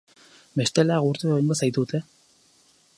Bestela egurtu egingo zaitut eh!